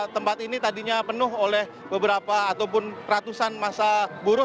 tempat ini tadinya penuh oleh beberapa ataupun ratusan masa buruh